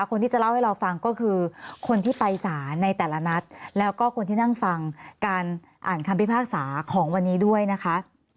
คนที่จะเล่าให้เราฟังก็คือคนที่ไปสารในแต่ละนัดแล้วก็คนที่นั่งฟังการอ่านคำพิพากษาของวันนี้ด้วยนะคะ